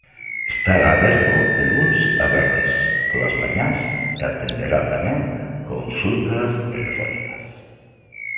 Estará aberto de luns a venres polas mañás e atenderá tamén consultas telefónicas.